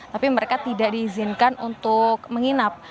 tapi mereka tidak diizinkan untuk menginap